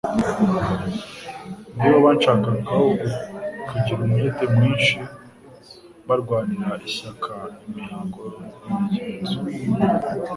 niko banshagaho kugira umwete mwinshi barwanira ishyaka imihango n'imigenzo.